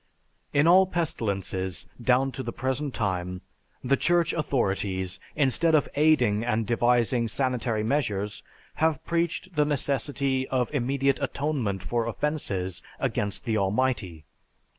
In all pestilences down to the present time, the Church authorities, instead of aiding and devising sanitary measures, have preached the necessity of immediate atonement for offenses against the Almighty.